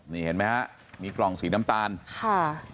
นี่เห็นไหมฮะมีกล่องสีน้ำตาลค่ะ